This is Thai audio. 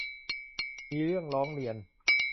มีเรื่องร้องเรียน